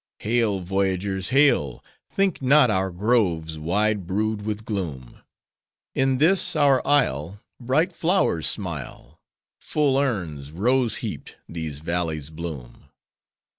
Hail! voyagers, hail! Think not our groves wide brood with gloom; In this, our isle, Bright flowers smile: Full urns, rose heaped, these valleys bloom.